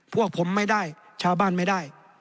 พวกผมไม่ได้ชาวบ้านไม่ได้